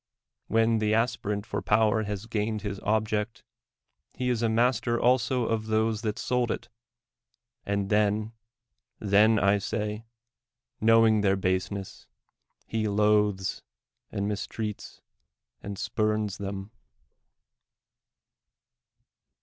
"When the aspirant for power has gained his object, he is master also of those that sold it ; and then — then, I say, knowing their baseness, he loathes and mistrusts and spurns them.